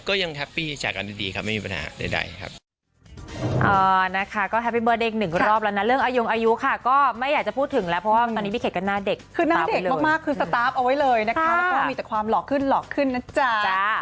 ก็ยังแฮปปี้จากกันดีไม่มีปัญหาใด